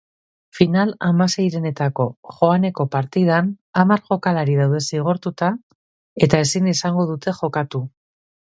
Final-hamaseirenetako joaneko partidan hamar jokalari daude zigortuta eta ezin izango dute jokatu.